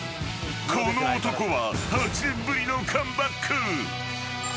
［この男は８年ぶりのカムバック］